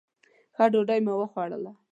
ښه ډوډۍ مو وخوړله.